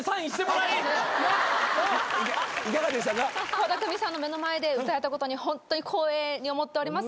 倖田來未さんの目の前で歌えたこと光栄に思っております